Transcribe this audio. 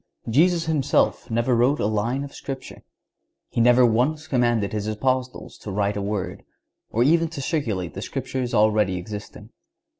Jesus Himself never wrote a line of Scripture. He never once commanded His Apostles to write a word,(139) or even to circulate the Scriptures already existing.